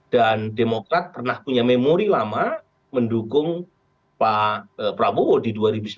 dan demokrat pernah punya memori lama mendukung pak prabowo di dua ribu sembilan belas